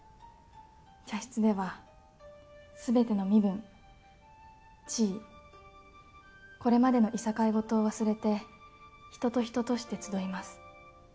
茶室ではすべての身分地位これまでのいさかいごとを忘れて人と人として集います。